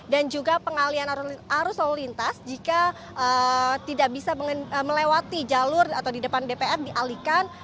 dan juga pengalihan arus lalu lintas jika tidak bisa melewati jalur atau di depan dpr dialihkan